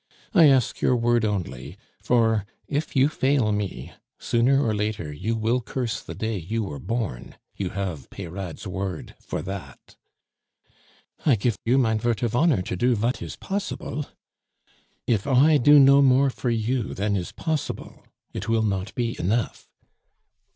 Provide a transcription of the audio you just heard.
I ask your word only; for, if you fail me, sooner or later you will curse the day you were born you have Peyrade's word for that." "I gif you mein vort of honor to do vat is possible." "If I do no more for you than is possible, it will not be enough."